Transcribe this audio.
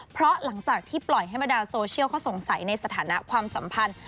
เพราะหลังจากที่ปล่อยให้บรรดาโซเชียลเขาสงสัยในสถานะความสัมพันธ์